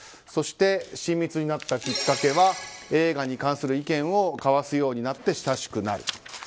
そして親密になったきっかけは映画に関する意見を交わすようになって親しくなる。